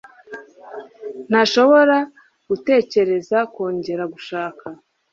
ntashobora gutekereza kongera gushaka